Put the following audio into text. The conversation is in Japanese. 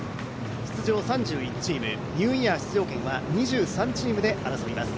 出場３１チーム、ニューイヤー出場権は２３チームで争います。